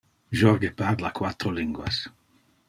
Jorge parla quatro linguas.